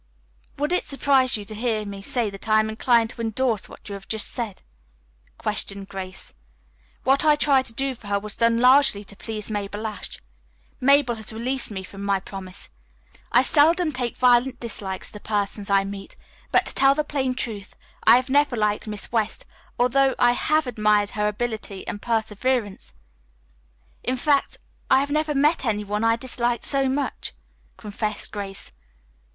"Would it surprise you to hear me say that I am inclined to endorse what you have just said?" questioned Grace. "What I tried to do for her was done largely to please Mabel Ashe. Mabel has released me from my promise. I seldom take violent dislikes to persons I meet, but, to tell the plain truth, I have never liked Miss West, although I have admired her ability and perseverance. In fact, I have never met any one I disliked so much," confessed Grace.